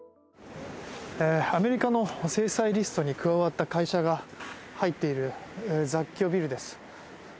アメリカの制裁リストに加わった会社が入っている雑居ビルです。